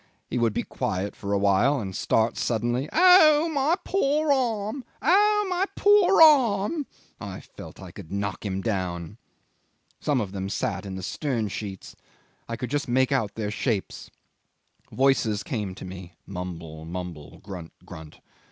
He would be quiet for a while and start suddenly, 'Oh, my poor arm! oh, my poor a a a arm!' I felt I could knock him down. Some of them sat in the stern sheets. I could just make out their shapes. Voices came to me, mumble, mumble, grunt, grunt.